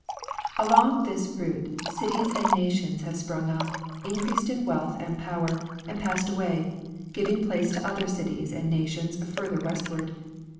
Along this route cities and nations have sprung up, increased in Avealth and power, and passed away, giving place to other cities and nations further westward.